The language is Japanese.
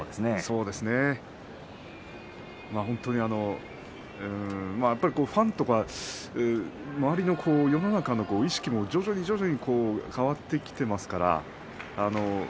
本当にファンとか周りの世の中の意識も徐々に徐々に変わってきていますからね。